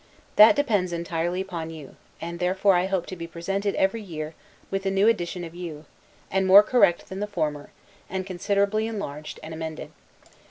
That depends entirely upon you; and therefore I hope to be presented, every year, with a new edition of you, more correct than the former, and considerably enlarged and amended.